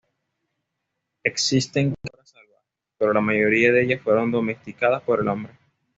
Existen cabras salvajes, pero la mayoría de ellas fueron domesticadas por el hombre.